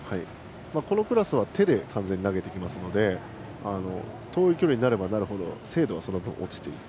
このクラスは手で完全に投げてきますので遠い距離になればなるほど精度が落ちていく。